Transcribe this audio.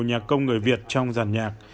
nhà công người việt trong giàn nhạc